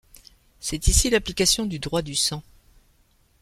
C'est ici l'application du droit du sang.